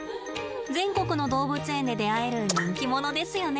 全国の動物園で出会える人気者ですよね。